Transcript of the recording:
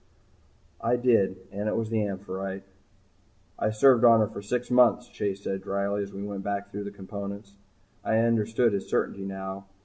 I did. And it was the "Amphitrite." "I served on her for six months," Chase said drily as we went back through the components. I understood his certainty now.